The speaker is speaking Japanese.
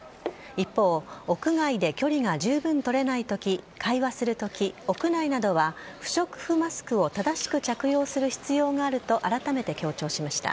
一方、屋外で距離がじゅうぶん取れないとき会話するとき、屋内などは不織布マスクを正しく着用する必要があるとあらためて強調しました。